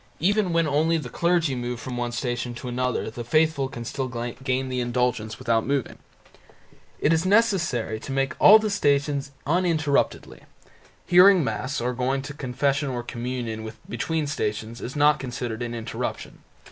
Even when only the clergy move from one Station to another the faithful can still gain the indulgence without moving; It is necessary to make all the Stations uninterruptedly (S.C.I., 22 January, 1858). Hearing Mass or going to Confession or Communion between Stations is not considered an interruption.